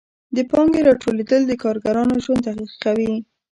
د پانګې راټولېدل د کارګرانو ژوند تریخوي